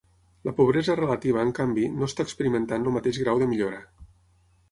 La pobresa relativa, en canvi, no està experimentant el mateix grau de millora.